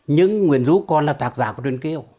nhưng nguyễn du còn là tạc giả của truyền kiều